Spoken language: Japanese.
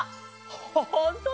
ほんとだ！